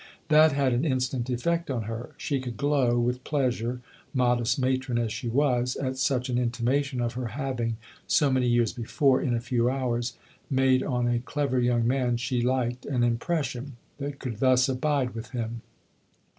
That had an instant effect on her : she could glow with pleasure, modest matron as she was, at such an intimation of her having, so many years before, in a few hours, made on a clever young man she liked an impression that could thus abide with him.